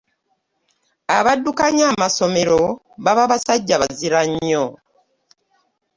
Abaddukanya amasomero baba basajja bazira nnyo.